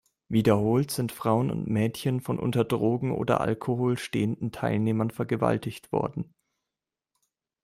Wiederholt sind Frauen und Mädchen von unter Drogen oder Alkohol stehenden Teilnehmern vergewaltigt worden.